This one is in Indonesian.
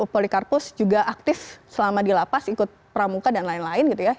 polikarpus juga aktif selama di lapas ikut pramuka dan lain lain gitu ya